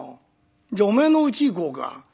「じゃあおめえのうち行こうか」。